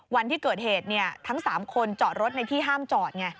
วันที่เกิดเหตุทั้ง๓คนจอดรถในที่ห้ามจอดไง